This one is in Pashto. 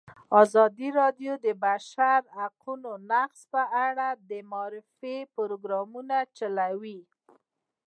ازادي راډیو د د بشري حقونو نقض په اړه د معارفې پروګرامونه چلولي.